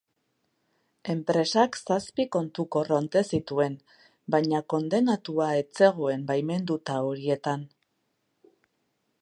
Enpresak zazpi kontu korronte zituen, baina kondenatua ez zegoen baimenduta horietan.